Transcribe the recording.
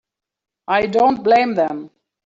I don't blame them.